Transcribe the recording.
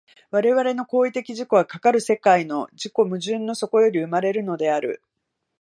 我々の行為的自己は、かかる世界の自己矛盾の底より生まれるのである。